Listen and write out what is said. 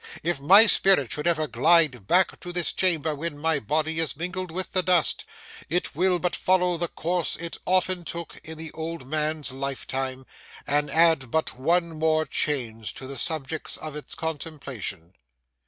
If my spirit should ever glide back to this chamber when my body is mingled with the dust, it will but follow the course it often took in the old man's lifetime, and add but one more change to the subjects of its contemplation.